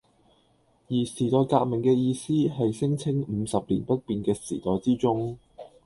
而「時代革命」嘅意思係聲稱五十年不變嘅時代之中